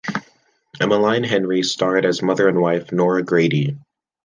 Emmaline Henry starred as mother and wife, Nora Grady.